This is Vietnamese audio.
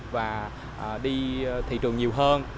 và đi thị trường nhiều hơn